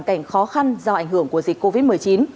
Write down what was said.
cảnh khó khăn do ảnh hưởng của dịch covid một mươi chín